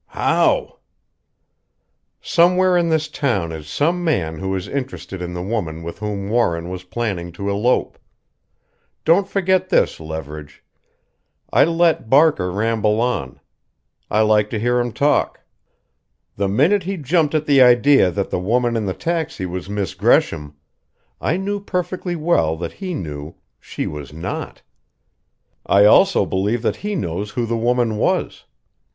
"How?" "Somewhere in this town is some man who is interested in the woman with whom Warren was planning to elope. Don't forget this, Leverage I let Barker ramble on. I like to hear 'em talk. The minute he jumped at the idea that the woman in the taxi was Miss Gresham, I knew perfectly well that he knew she was not. I also believe that he knows who the woman was.